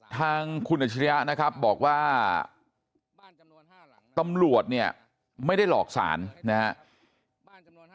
ทางคุณอัชริยะนะครับบอกว่าตำรวจเนี่ยไม่ได้หลอกสารนะครับ